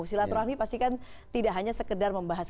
silaturahmi pasti kan tidak hanya sekedar membahas